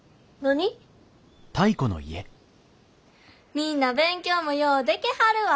みんな勉強もようでけはるわ。